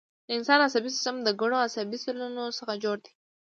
د انسان عصبي سیستم د ګڼو عصبي سلولونو څخه جوړ دی